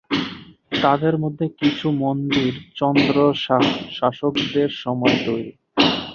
তাদের মধ্যে কিছু মন্দির চন্দ শাসকদের সময়ে তৈরী।